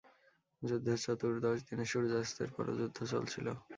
যুদ্ধের চতুর্দশ দিনে সূর্যাস্তের পরও যুদ্ধ চলছিল।